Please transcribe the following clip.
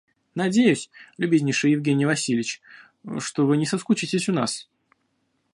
Надеюсь, любезнейший Евгений Васильич, что вы не соскучитесь у нас.